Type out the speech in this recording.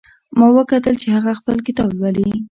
ما وکتل چې هغه خپل کتاب لولي